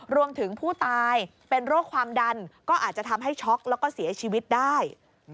รวมถึงผู้ตายเป็นโรคความดันก็อาจจะทำให้ช็อกแล้วก็เสียชีวิตได้